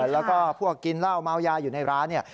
แล้วก็พวกกินเหล้าเมายาอยู่ในร้านเนี่ย